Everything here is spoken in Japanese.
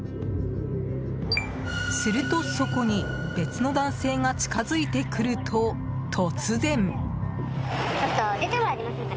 すると、そこに別の男性が近づいてくると突然。